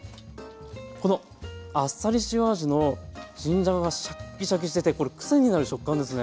このあっさり塩味の新じゃががシャッキシャキしててこれクセになる食感ですね。